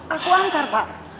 aku angkar pak